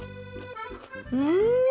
うん！